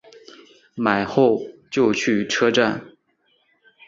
买完后就去车站